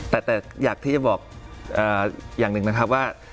แต่อยากที่จะบอกอย่างหนึ่งนะครับว่า